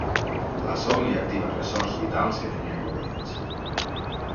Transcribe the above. La Sol li activa ressorts vitals que tenia rovellats.